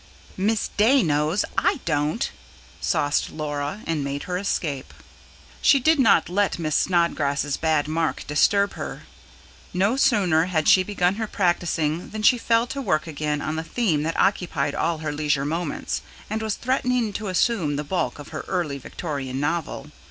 "Miss Day knows I don't," sauced Laura, and made her escape. She did not let Miss Snodgrass's bad mark disturb her. No sooner had she begun her practising than she fell to work again on the theme that occupied all her leisure moments, and was threatening to assume the bulk of an early Victorian novel.